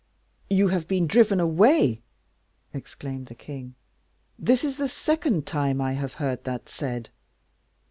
"You have been driven away!" exclaimed the king. "This is the second time I have heard that said."